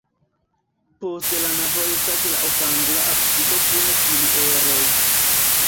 Post la navo estas la okangula absido kun pilieroj.